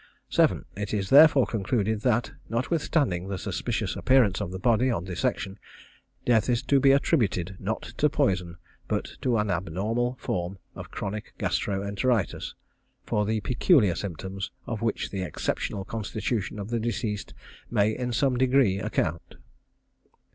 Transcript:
7. It is therefore concluded that, notwithstanding the suspicious appearance of the body on dissection, death is to be attributed not to poison, but to an abnormal form of chronic gastro enteritis, for the peculiar symptoms of which the exceptional constitution of the deceased may in some degree account.